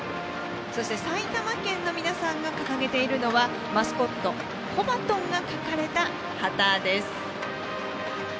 そして、埼玉県の皆さんが掲げているのはマスコット、コバトンが描かれた旗です。